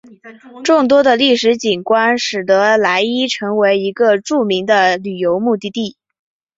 众多的历史景观使得莱伊成为一个著名的旅游目的地。